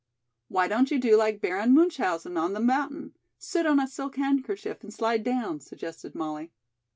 "Why don't you do like Baron Munchausen on the mountain? Sit on a silk handkerchief and slide down," suggested Molly.